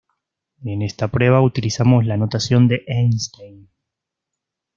En esta prueba utilizamos la notación de Einstein.